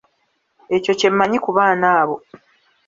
Ekyo kye mmanyi ku baana abo.